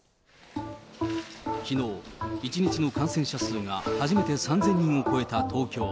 きのう、１日の感染者数が初めて３０００人を超えた東京。